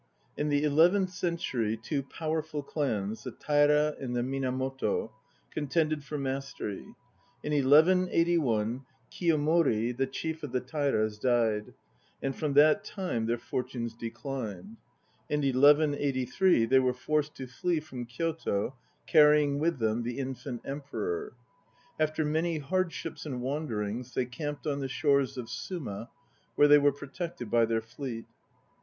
IN the eleventh century two powerful clans, the Taira and the Minamoto, contended for mastery. In 1181 Kiyomori the chief of the Tairas died, and from that time their fortunes declined. In 1183 they were forced to flee from Kyoto, carrying with them the infant Emperor. After many hardships and wanderings they camped on the shores of Suma, where they were protected by their fleet.